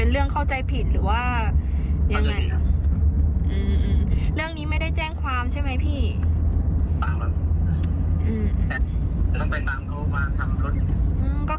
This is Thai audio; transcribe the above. เรื่องนี้ไม่ได้แจ้งความใช่ไหมพี่